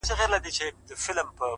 بيا دې د سندرو سره پښه وهمه’